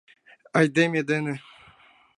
Айдеме дене.